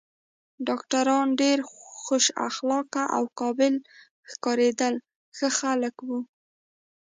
ډاکټران ډېر خوش اخلاقه او قابل ښکارېدل، ښه خلک و.